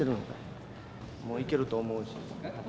もういけると思うし。